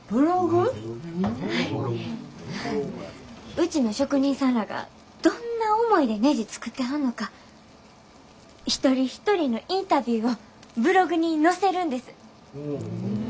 うちの職人さんらがどんな思いでねじ作ってはんのか一人一人のインタビューをブログに載せるんです。